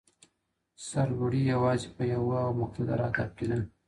سرلوړي یوازي په یوه او مقتدر هدف کي ده.